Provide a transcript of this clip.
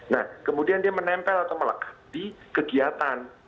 nah kemudian dia menempel atau melekati kegiatan